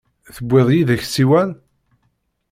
Tewwiḍ yid-k ssiwan?